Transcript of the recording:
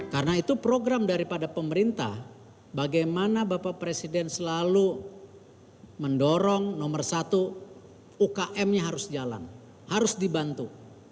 karena itu program daripada pemerintah bagaimana bapak presiden selalu mendorong nomor satu umkm nya harus jalan harus dibantu